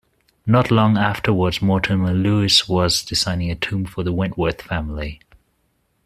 Not long afterwards, Mortimer Lewis was designing a tomb for the Wentworth family.